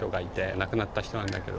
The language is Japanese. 亡くなった人なんだけど。